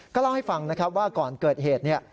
ก็เล่าให้ฟังว่าก่อนเกิดเหตุ